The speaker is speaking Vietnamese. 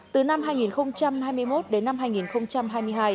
từ năm hai nghìn hai mươi một đến năm hai nghìn hai mươi hai